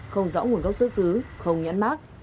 không rõ nguồn gốc xuất xứ không nhãn mát